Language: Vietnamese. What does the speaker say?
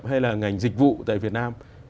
hay là ngành dịch vụ tại việt nam